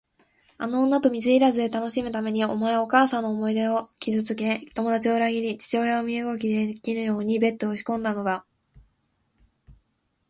あの女と水入らずで楽しむために、お前はお母さんの思い出を傷つけ、友だちを裏切り、父親を身動きできぬようにベッドへ押しこんだのだ。